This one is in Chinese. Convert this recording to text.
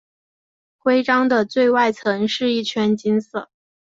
徽章的最外层是一圈金色。